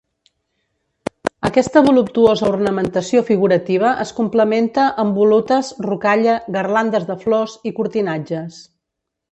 Aquesta voluptuosa ornamentació figurativa es complementa amb volutes, rocalla, garlandes de flors i cortinatges.